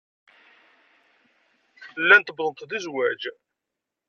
Llant uwḍent-d i zzwaj.